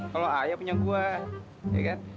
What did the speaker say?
kalau ayah punya buah ya kan